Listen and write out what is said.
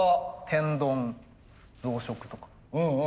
天丼増殖とか。